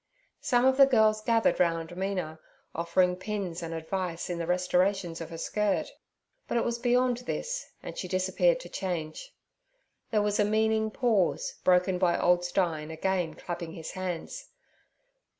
Some of the girls gathered round Mina, offering pins and advice in the restoration of her skirt; but it was beyond this, and she disappeared to change. There was a meaning pause, broken by old Stein again clapping his hands.